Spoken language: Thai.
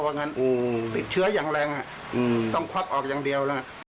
อย่างนั้นติดเชื้ออย่างแรงต้องควักออกอย่างเดียวแล้ว